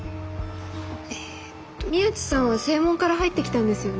えっと宮地さんは正門から入ってきたんですよね？